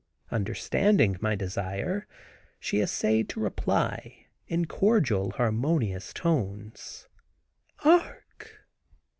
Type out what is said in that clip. Understanding my desire she essayed to reply, in cordial, harmonious tones, "Arc."